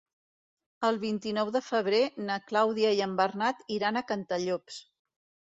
El vint-i-nou de febrer na Clàudia i en Bernat iran a Cantallops.